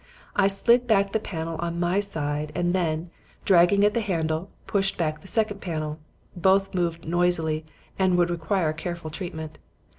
I slid back the panel on my own side and then, dragging at the handle, pushed back the second panel. Both moved noisily and would require careful treatment.